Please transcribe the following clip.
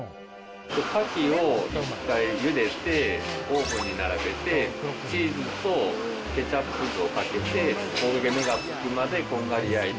カキを１回ゆでて、オーブンに並べて、チーズとケチャップとかけて、焦げ目がつくまでこんがり焼いて、